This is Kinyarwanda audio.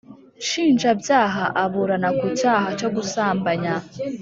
nshinjabyaha aburana ku cyaha cyo gusambanya